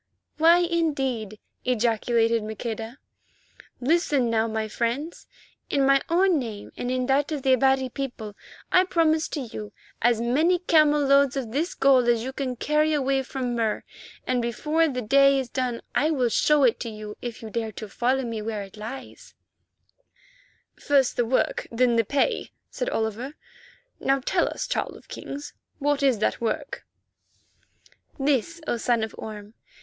"Why, indeed?" ejaculated Maqueda. "Listen, now, my friends. In my own name and in that of the Abati people I promised to you as many camel loads of this gold as you can carry away from Mur, and before the day is done I will show it to you if you dare follow me to where it lies hid." "First the work, then the pay," said Oliver. "Now tell us, Child of Kings, what is that work?" "This, O Son of Orme.